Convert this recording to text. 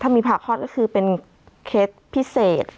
มีผ่าคลอดก็คือเป็นเคสพิเศษ